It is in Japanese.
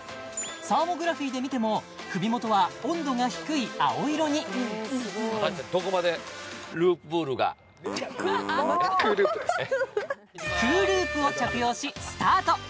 サーモグラフィーで見ても首元は温度が低い青色にＣＯＯＬＯＯＰを着用しスタート！